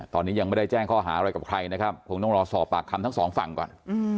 ตอนนี้ยังไม่ได้แจ้งข้อหาอะไรกับใครนะครับคงต้องรอสอบปากคำทั้งสองฝั่งก่อน